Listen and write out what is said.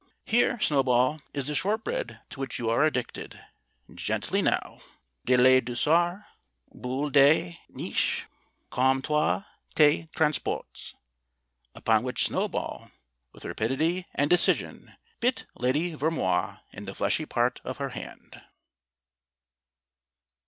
Here, Snow ball, is the shortbread to which you are addicted. Gently now. De la douceur, Boule de neige, calme toi tes transports!" Upon which Snowball, with rapidity and decision, bit Lady Vermoise in the fleshy part of her hand.